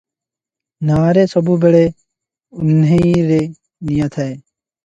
ନାଆରେ ସବୁବେଳେ ଉହ୍ନେଇରେ ନିଆଁ ଥାଏ ।